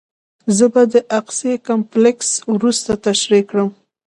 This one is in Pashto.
زه به د اقصی کمپلکس وروسته تشریح کړم.